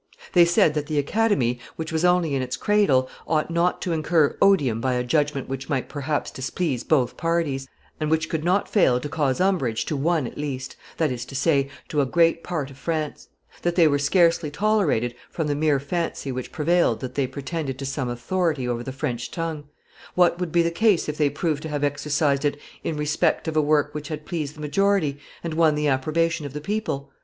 They said that the Academy, which was only in its cradle, ought not to incur odium by a judgment which might perhaps displease both parties, and which could not fail to cause umbrage to one at least, that is to say, to a great part of France; that they were scarcely tolerated, from the mere fancy which prevailed that they pretended to some authority over the French tongue; what would be the case if they proved to have exercised it in respect of a work which had pleased the majority and won the approbation of the people?